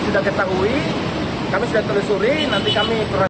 sementara datangnya juga kami sudah ketahui kami sudah telusuri